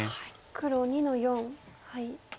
黒２の四ハイ。